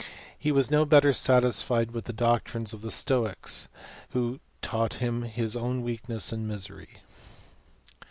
He was no better satisfied with the doctrines of the Stoics, who taught him his own weakness and misery.